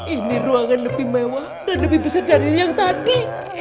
ini ruangan lebih mewah dan lebih besar dari yang tadi